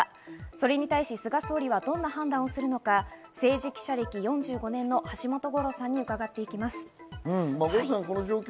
それに対し菅総理はどう判断するのか、政治記者歴４５年の橋本五郎さんに伺います。